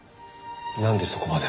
なんでそこまで？